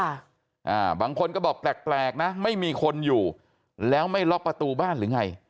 อ่าบางคนก็บอกแปลกแปลกนะไม่มีคนอยู่แล้วไม่ล็อกประตูบ้านหรือไง